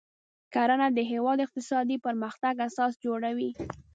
کرنه د هیواد د اقتصادي پرمختګ اساس جوړوي.